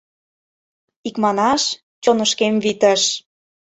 Икманаш, чонышкем витыш.